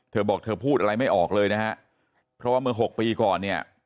เธอบอกเธอพูดอะไรไม่ออกเลยนะฮะเพราะว่าเมื่อ๖ปีก่อนเนี่ย